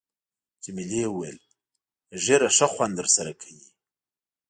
جميلې وويل:، ږیره ښه خوند در سره کوي.